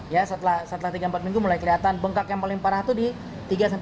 ya setelah setelah tiga empat minggu mulai keliatan bengkak yang paling parah tuh di tiga lima hari pertama